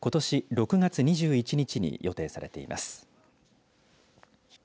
６月２１日に予定されています。